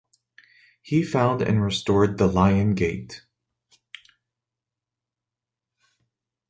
He found and restored the Lion Gate.